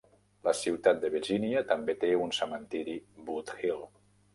La ciutat de Virginia també té un cementiri Boothill.